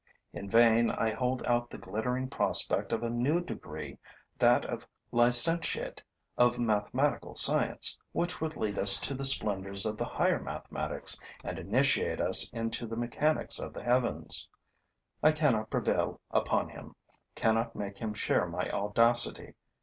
In vain I hold out the glittering prospect of a new degree, that of licentiate of mathematical science, which would lead us to the splendors of the higher mathematics and initiate us into the mechanics of the heavens: I cannot prevail upon him, cannot make him share my audacity.